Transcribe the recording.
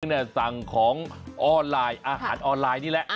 เนี่ยสั่งของออนไลน์อาหารออนไลน์นี่แหละ